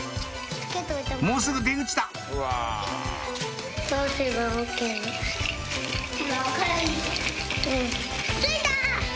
もうすぐ出口だついた！